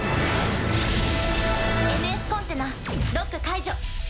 ＭＳコンテナロック解除。